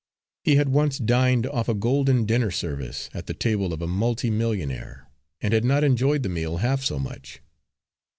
He had once dined off a golden dinner service, at the table of a multi millionaire, and had not enjoyed the meal half so much.